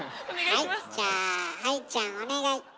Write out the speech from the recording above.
はいじゃあ愛ちゃんお願い。